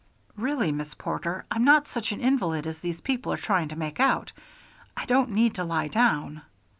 "Really, Miss Porter, I'm not such an invalid as these people are trying to make out. I don't need to lie down."